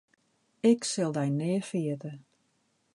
Ik sil dy nea ferjitte.